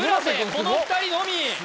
この２人のみ！